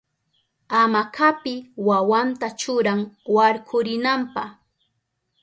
Hamakapi wawanta churan warkurinanpa.